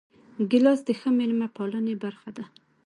ګیلاس د ښه میلمه پالنې برخه ده.